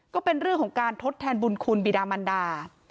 ก็เป็นเรื่องของการทดแทนบุญคุณบิดามันดา